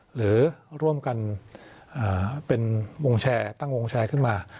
หรือร่วมกันเป็นวงแชร์ตั้งวงแชร์ขึ้นมา